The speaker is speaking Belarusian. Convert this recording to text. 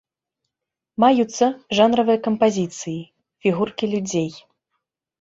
Маюцца жанравыя кампазіцыі, фігуркі людзей.